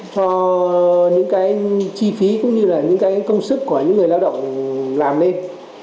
cho những cái chi phí cũng như là những cái công sức của những người lao động làm lên